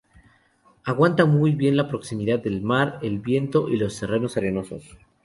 Aguanta muy bien la proximidad del mar, el viento y los terrenos arenosos.